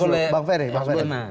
yang dibatalkan oleh bang ferry